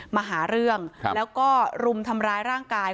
มาหาเรื่องแล้วก็รุมทำร้ายร่างกาย